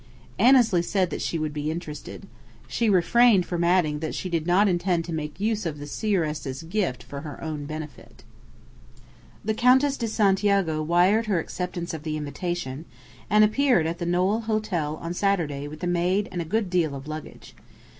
Annesley said that she would be interested. She refrained from adding that she did not intend to make use of the seeress's gift for her own benefit. The Countess de Santiago wired her acceptance of the invitation, and appeared at the Knowle Hotel on Saturday with a maid and a good deal of luggage.